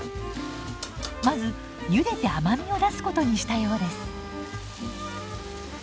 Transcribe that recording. まずゆでて甘みを出すことにしたようです。